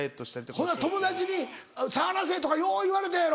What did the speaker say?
ほんなら友達に「触らせぇ！」とかよう言われたやろ。